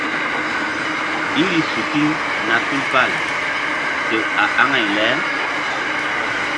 Iri suki na tupal sew a aŋay le.